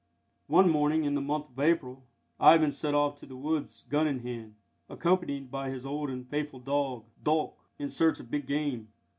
One morning, in the month of April, Ivan set off to the woods, gun in hand, accompanied by his old and faithful dog, Dolk, in search of big game.